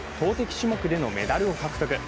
種目でのメダルを獲得。